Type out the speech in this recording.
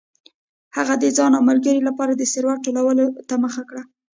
هغه د ځان او ملګرو لپاره د ثروت ټولولو ته مخه کړه.